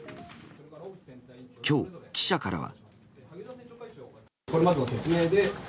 今日、記者からは。